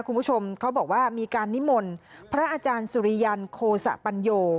คุณผู้ชมเขาบอกว่ามีการนิมนต์พระอาจารย์สุริยันโคสะปัญโย